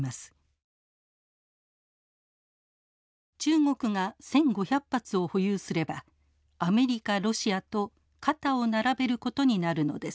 中国が１，５００発を保有すればアメリカロシアと肩を並べることになるのです。